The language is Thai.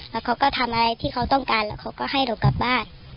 แล้วเขาก็ทำอะไรที่เขาต้องการแล้วเขาก็ให้เรากลับบ้าน